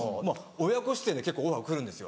親子出演で結構オファー来るんですよ。